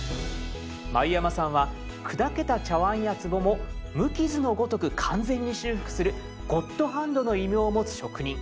繭山さんは砕けた茶碗やつぼも無傷のごとく完全に修復する「ゴッドハンド」の異名を持つ職人。